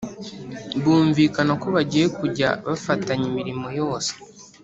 bumvikana ko bagiye kujya bafatanya imirimo yose